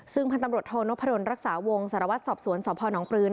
ซึ่งพันธมรถโทนพยนตร์รักษาวงศ์สารวัตรสอบสวนสอบพ่อน้องปลื้อ